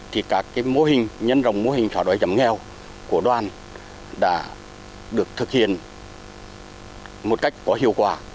thì các mô hình nhân rồng mô hình xóa đói giảm nghèo của đoàn đã được thực hiện một cách có hiệu quả